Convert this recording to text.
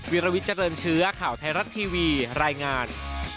วิรวิจรรย์เชื้อข่าวไทรัตทีวีรายงาน